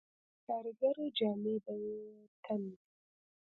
د کاریګرو جامې به یې تن وې